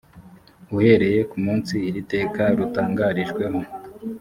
uhereye ku munsi iri teka rutangarijweho